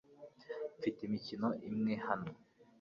Mfite imikino imwe hano .